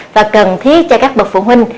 và cần thiết cho các bậc phụ huynh